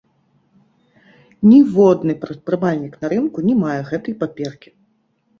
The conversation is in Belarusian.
Ніводны прадпрымальнік на рынку не мае гэтай паперкі.